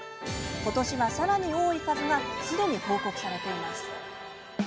今年は、さらに多い数がすでに報告されています。